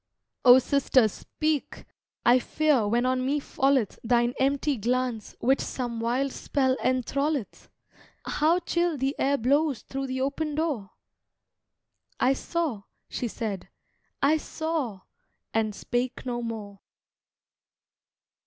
"O sister, speak! I fear when on me falleth Thine empty glance which some wild spell enthralleth! How chill the air blows through the open door!" "I saw," she said, "I saw" and spake no more.